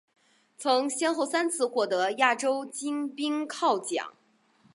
曾先后三次获得亚洲金冰镐奖。